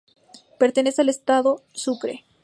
Pertenece al estado Sucre.